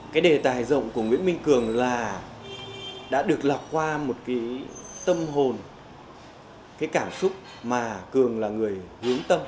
cái đề tài rộng của nguyễn minh cường là đã được lọc qua một cái tâm hồn cái cảm xúc mà cường là người hướng tâm